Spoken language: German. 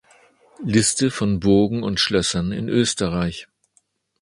Liste von Burgen und Schlössern in Österreich